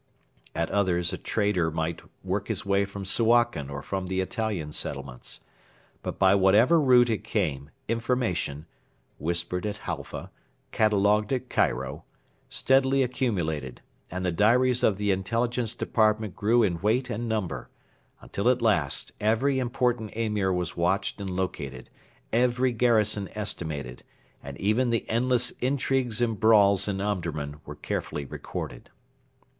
At others a trader might work his way from Suakin or from the Italian settlements. But by whatever route it came, information whispered at Halfa, catalogued at Cairo steadily accumulated, and the diaries of the Intelligence Department grew in weight and number, until at last every important Emir was watched and located, every garrison estimated, and even the endless intrigues and brawls in Omdurman were carefully recorded.